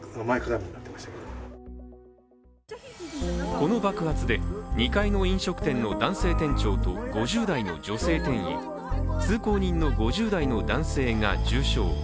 この爆発で、２階の飲食店の男性店長と５０代の女性店員、通行人５０代の男性が重傷。